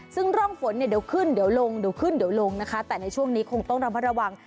ซึ่งร่องฝนเนี่ยเดี๋ยวขึ้นเดี๋ยวลงเดี๋ยวขึ้นเดี๋ยวลงนะคะแต่ในช่วงนี้คงต้องระมัดระวัง